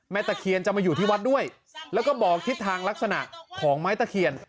ตะเคียนจะมาอยู่ที่วัดด้วยแล้วก็บอกทิศทางลักษณะของไม้ตะเคียน